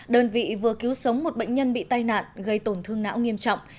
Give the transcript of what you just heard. đơn vị vừa cứu sống một bệnh nhân bị tai nạn gây tổn thương não nghiêm trọng